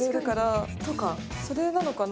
それなのかな？